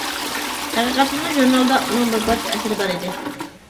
ھەقىقەتەنمۇ ژۇرنالدا ئۇنىڭ بىر پارچە ئەسىرى بار ئىدى.